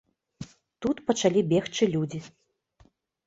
Тут пачалі бегчы людзі.